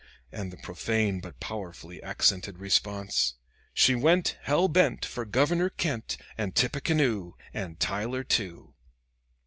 and the profane but powerfully accented response, "She went, hell bent, for Governor Kent, and Tippecanoe, and Tyler too."